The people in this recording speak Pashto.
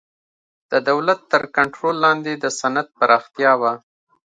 د دولت تر کنټرول لاندې د صنعت پراختیا وه